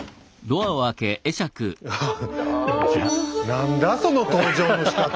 何だその登場のしかた。